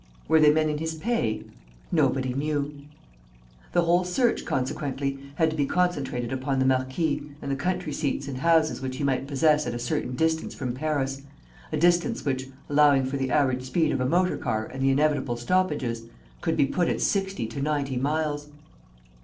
Were they men in his pay? Nobody knew. The whole search, consequently, had to be concentrated upon the marquis and the country seats and houses which he might possess at a certain distance from Paris, a distance which, allowing for the average speed of a motor car and the inevitable stoppages, could be put at sixty to ninety miles.